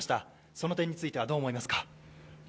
その点についてはどう思われますか？